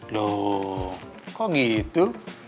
loh kok gitu